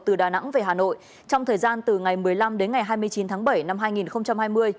từ đà nẵng về hà nội trong thời gian từ ngày một mươi năm đến ngày hai mươi chín tháng bảy năm hai nghìn hai mươi